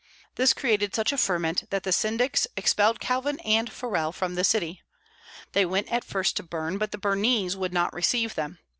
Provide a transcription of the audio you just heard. This created such a ferment that the syndics expelled Calvin and Farel from the city. They went at first to Berne, but the Bernese would not receive them.